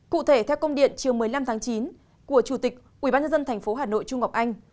cụ thể theo công điện chiều một mươi năm tháng chín của chủ tịch ủy ban nhân dân thành phố hà nội trung ngọc anh